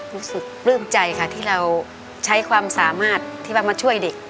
ปลื้มใจค่ะที่เราใช้ความสามารถที่ว่ามาช่วยเด็ก